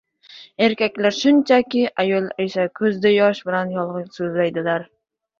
— Erkaklar shunchaki, ayollar esa ko‘zda yosh bilan yolg‘on so‘zlaydilar.